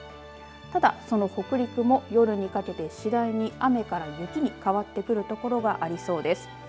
ただその北陸も夜にかけて次第に雨から雪に変わってくる所がありそうです。